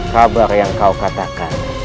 kabar yang kau katakan